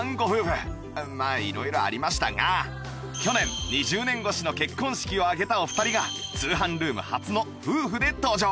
まあ色々ありましたが去年２０年越しの結婚式を挙げたお二人が通販ルーム初の夫婦で登場！